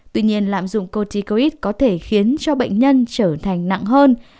tuy nhiên lạm dụng corticoid có thể khiến cho bệnh nhân trở thành nặng hơn